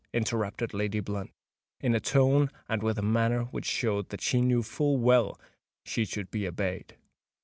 interrupted Lady Blunt, in a tone and with a manner which showed that she knew full well she should be obeyed.